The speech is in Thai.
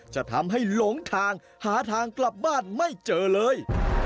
จะทำให้หลงทางหาทางกลับบ้านไม่เจอเลย